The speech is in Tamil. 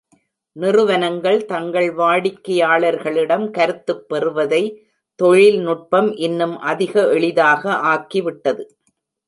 நிறுவனங்கள் தங்கள் வாடிக்கையாளர்களிடம் கருத்துப் பெறுவதை தொழில் நுட்பம் இன்னும் அதிக எளிதாக ஆக்கி விட்டது.